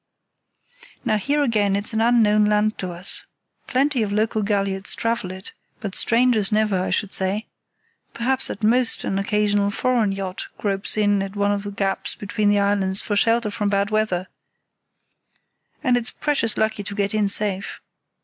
"Now here again it's an unknown land to us. Plenty of local galliots travel it, but strangers never, I should say. Perhaps at the most an occasional foreign yacht gropes in at one of the gaps between the islands for shelter from bad weather, and is precious lucky to get in safe.